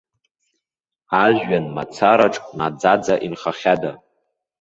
Ажәҩан мацараҿ наӡаӡа инхахьада.